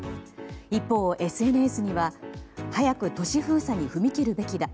一方、ＳＮＳには早く都市封鎖に踏み切るべきだ。